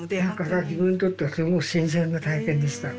だから自分にとってはすごく新鮮な体験でした。